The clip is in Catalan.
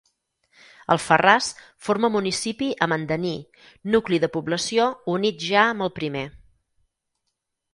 Alfarràs forma municipi amb Andaní, nucli de població unit ja amb el primer.